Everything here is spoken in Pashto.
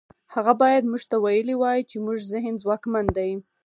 هغه بايد موږ ته ويلي وای چې زموږ ذهن ځواکمن دی.